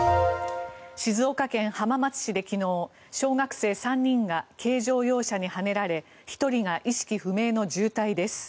静岡県浜松市で昨日小学生３人が軽乗用車にはねられ１人が意識不明の重体です。